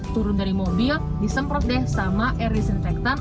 turun dari mobil disemprot deh sama air disinfektan